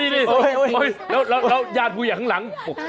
นี่แล้วญาติผู้ใหญ่ข้างหลัง